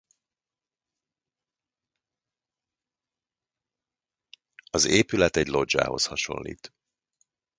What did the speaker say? A épület egy loggiához hasonlít.